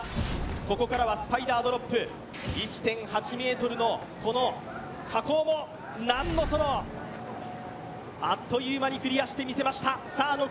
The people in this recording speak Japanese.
ここからはスパイダードロップ１．８ｍのこの下降も何のそのあっという間にクリアしてみせました。